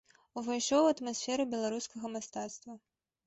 Увайшоў у атмасферу беларускага мастацтва.